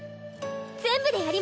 全部でやります。